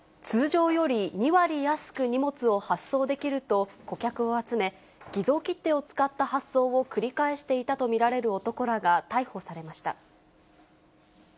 通常より２割安く荷物を発送できると、顧客を集め、偽造切手を使った発送を繰り返していたと見られる男らが逮捕されました。